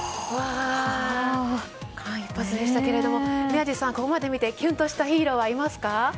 間一髪でしたけども宮司さん、ここまで見てキュンとしたヒーローはいますか？